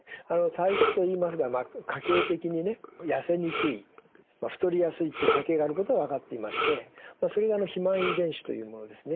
体質といいますが家系的にね痩せにくい太りやすいという家系があることは分かっていましてそれが肥満遺伝子というものですね。